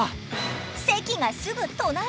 席がすぐ隣！